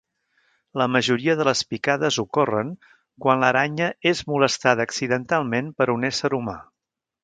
La majoria de les picades ocorren quan l'aranya és molestada accidentalment per un ésser humà.